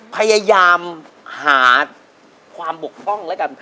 พยายามหาความบกพร่องแล้วกัน